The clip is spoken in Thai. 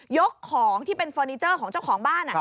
ของที่เป็นเฟอร์นิเจอร์ของเจ้าของบ้าน